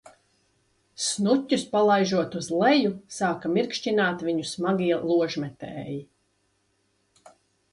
Snuķus palaižot uz leju, sāka mirkšķināt viņu smagie ložmetēji.